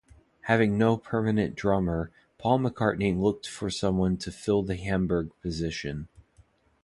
Having no permanent drummer, Paul McCartney looked for someone to fill the Hamburg position.